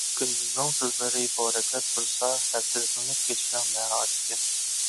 كۈندۈزنىڭ سۆزلىرى پورەكلەپ تۇرسا ھەسرەتلىنىپ كېتىشنىڭ نە ھاجىتى؟ !